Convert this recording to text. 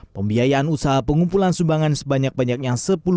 pembiayaan usaha pengumpulan sumbangan sebanyak banyaknya